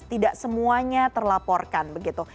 tidak semuanya terlaporkan begitu